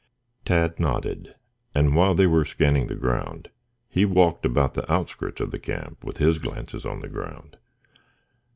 Tad nodded, and while they were scanning the ground he walked about the outskirts of the camp with his glances on the ground.